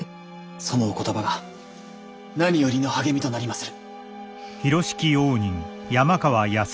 そのお言葉が何よりの励みとなりまする。